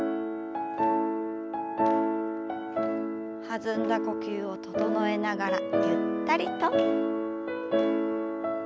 弾んだ呼吸を整えながらゆったりと。